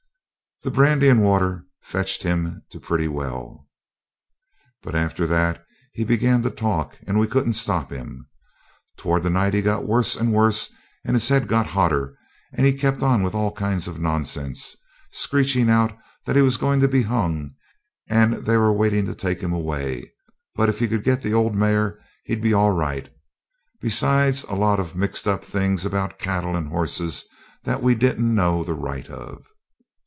The brandy and water fetched him to pretty well, but after that he began to talk, and we couldn't stop him. Towards night he got worse and worse and his head got hotter, and he kept on with all kinds of nonsense, screeching out that he was going to be hung and they were waiting to take him away, but if he could get the old mare he'd be all right; besides a lot of mixed up things about cattle and horses that we didn't know the right of.